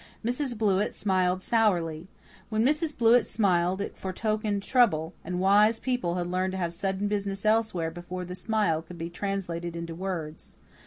Mrs. Blewett smiled sourly. When Mrs. Blewett smiled it foretokened trouble, and wise people had learned to have sudden business elsewhere before the smile could be translated into words.